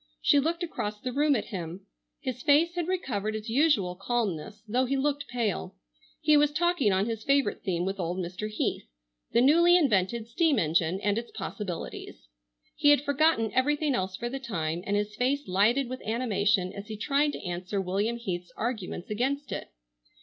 She looked across the room at him. His face had recovered its usual calmness, though he looked pale. He was talking on his favorite theme with old Mr. Heath: the newly invented steam engine and its possibilities. He had forgotten everything else for the time, and his face lighted with animation as he tried to answer William Heath's arguments against it.